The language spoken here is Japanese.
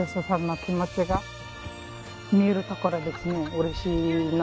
うれしいの。